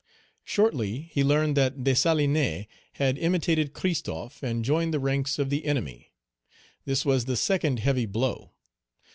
Shortly, he learned that Dessalines had imitated Christophe and joined the ranks of the enemy. This was the second heavy blow.